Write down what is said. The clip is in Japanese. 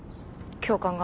教官が？